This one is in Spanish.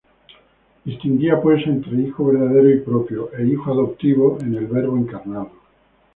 Distinguía, pues, entre hijo verdadero y propio, e hijo adoptivo en el Verbo encarnado.